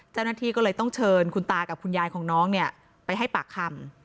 เจ้าหน้าที่ก็เลยต้องเชิญคุณตากับคุณยายของน้องเนี่ยไปให้ปากคำ